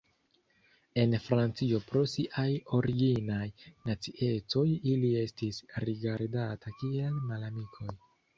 En Francio pro siaj originaj naciecoj ili estis rigardataj kiel malamikoj.